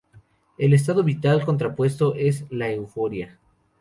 El estado vital contrapuesto es la euforia.